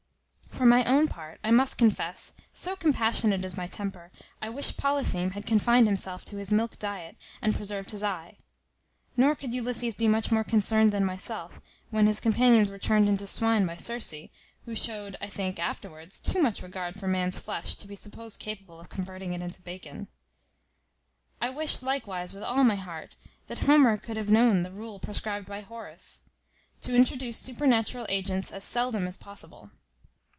For my own part, I must confess, so compassionate is my temper, I wish Polypheme had confined himself to his milk diet, and preserved his eye; nor could Ulysses be much more concerned than myself, when his companions were turned into swine by Circe, who showed, I think, afterwards, too much regard for man's flesh to be supposed capable of converting it into bacon. I wish, likewise, with all my heart, that Homer could have known the rule prescribed by Horace, to introduce supernatural agents as seldom as possible.